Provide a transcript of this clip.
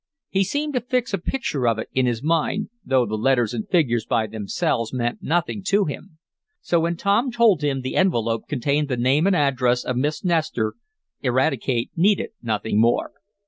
He seemed to fix a picture of it in his mind, though the letters and figures by themselves meant nothing to him. So when Tom told him the envelope contained the name and address of Miss Nestor, Eradicate needed nothing more.